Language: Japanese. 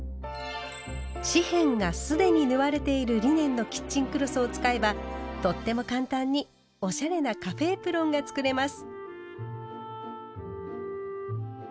四辺が既に縫われているリネンのキッチンクロスを使えばとっても簡単におしゃれな「カフェエプロン」が作れます。